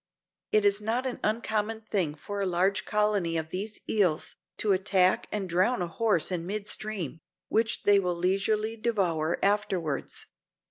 It is not an uncommon thing for a large colony of these eels, to attack and drown a horse in mid stream, which they will leisurely devour afterwards.